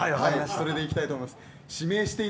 それでいきたいと思います。